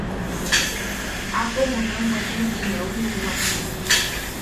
Ta aapo junuen weye ti neu jiuwa.